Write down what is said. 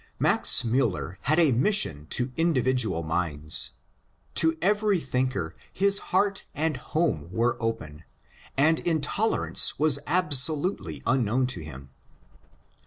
Max Miiller had a mission to individual minds. To every thinker his heart and home were open, and intolerance was absolutely unknown to him.